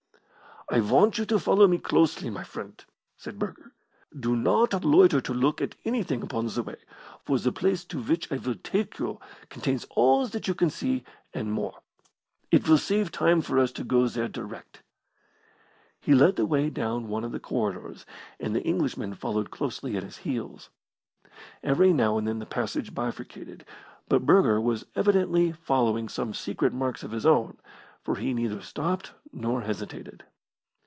"I want you to follow me closely, my friend," said Burger. "Do not loiter to look at anything upon the way, for the place to which I will take you contains all that you can see, and more. It will save time for us to go there direct." He led the way down one of the corridors, and the Englishman followed closely at his heels. Every now and then the passage bifurcated, but Burger was evidently following some secret marks of his own, for he neither stopped nor hesitated.